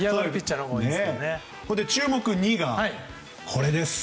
注目２がこれです。